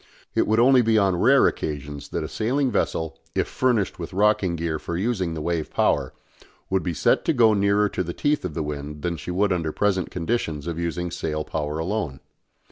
It would be only on rare occasions that a sailing vessel, if furnished with rocking gear for using the wave power, would be set to go nearer to the teeth of the wind than she would under present conditions of using sail power alone.